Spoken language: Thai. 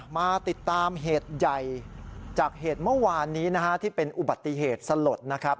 มาติดตามเหตุใหญ่จากเหตุเมื่อวานนี้นะฮะที่เป็นอุบัติเหตุสลดนะครับ